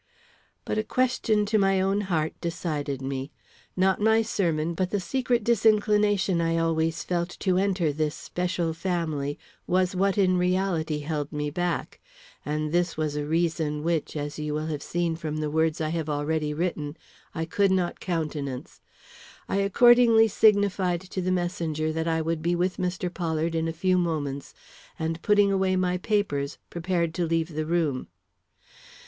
But a question to my own heart decided me. Not my sermon, but the secret disinclination I always felt to enter this special family, was what in reality held me back; and this was a reason which, as you will have seen from the words I have already written, I could not countenance. I accordingly signified to the messenger that I would be with Mr. Pollard in a few moments, and putting away my papers, prepared to leave the room.